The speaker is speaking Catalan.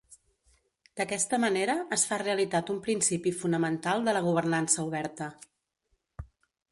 D'aquesta manera es fa realitat un principi fonamental de la governança oberta.